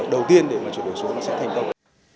đầu tiên để mà chuyển đổi số nó sẽ thành công